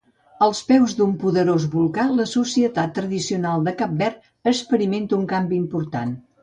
Als peus d'un poderós volcà, la societat tradicional de Cap Verd experimenta un canvi important.